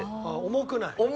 ああ重くない？